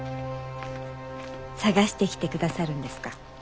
探してきてくださるんですか？